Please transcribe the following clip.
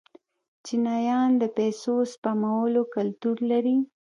چینایان د پیسو سپمولو کلتور لري.